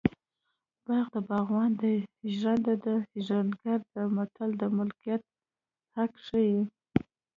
باغ د باغوان دی ژرنده د ژرندګړي متل د ملکیت حق ښيي